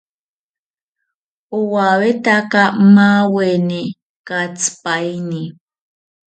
Owawetaka maaweni katsipaini